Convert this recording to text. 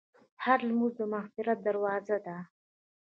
هره لمونځ د مغفرت دروازه ده.